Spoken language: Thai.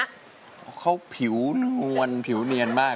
เพราะเขาผิวนวลผิวเนียนมาก